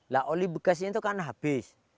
lah oli bekas itu kan habis